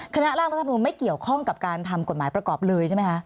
คณะร่างรัฐมนุนไม่เกี่ยวข้องกับการทำกฎหมายประกอบเลยใช่ไหมคะ